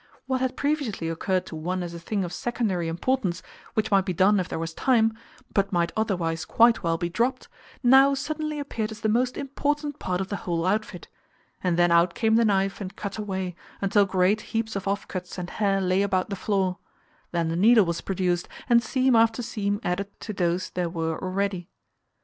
What had previously occurred to one as a thing of secondary importance, which might be done if there was time, but might otherwise quite well be dropped, now suddenly appeared as the most important part of the whole outfit; and then out came the knife and cut away, until great heaps of offcuts and hair lay about the floor; then the needle was produced, and seam after seam added to those there were already.